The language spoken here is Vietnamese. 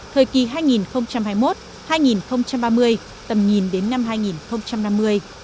thời kỳ hai nghìn hai mươi một hai nghìn ba mươi tầm nhìn đến năm hai nghìn năm mươi